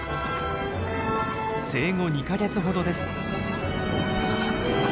生後２か月ほどです。